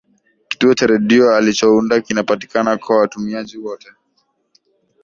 kituo cha redio ulichounda kinapatikana kwa watumiaji wote